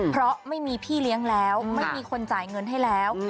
เพราะไม่มีพี่เลี้ยงแล้วไม่มีคนจ่ายเงินให้แล้ว